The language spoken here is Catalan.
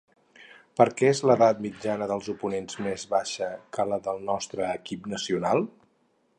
Per què és l'edat mitjana dels oponents més baixa que la del nostre equip nacional?